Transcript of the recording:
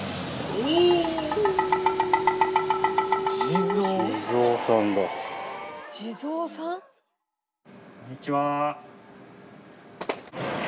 こんにちは。